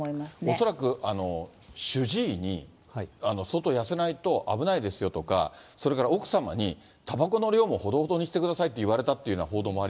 恐らく、主治医に、相当痩せないと危ないですよとか、それから奥様に、たばこの量もほどほどにしてくださいと言われたっていうような報